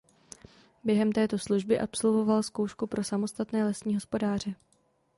Během této služby absolvoval zkoušku pro samostatné lesní hospodáře.